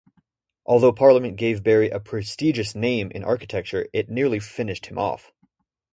Although Parliament gave Barry a prestigious name in architecture, it nearly finished him off.